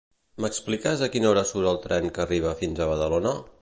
M'expliques a quina hora surt el tren que arriba fins a Badalona?